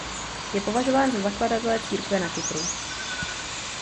Je považován za zakladatele církve na Kypru.